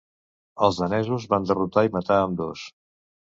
Els danesos van derrotar i matar ambdós.